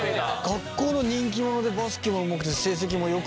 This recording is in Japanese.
学校の人気者でバスケもうまくて成績もよくてっていう。